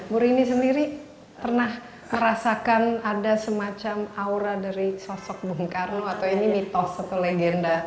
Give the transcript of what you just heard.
bu rini sendiri pernah merasakan ada semacam aura dari sosok bung karno atau ini mitos atau legenda